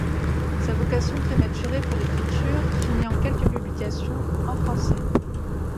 Sa vocation prématurée pour l’écriture finit en quelques publications en français.